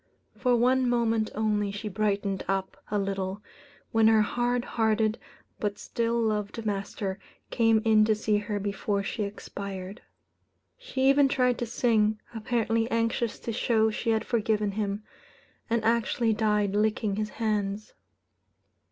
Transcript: For one moment only she brightened up a little, when her hard hearted, but still loved master came in to see her before she expired. She even tried to sing, apparently anxious to show she had forgiven him; and actually died licking his hands.